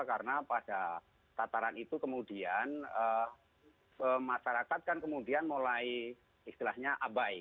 karena pada tataran itu kemudian masyarakat kan kemudian mulai istilahnya abai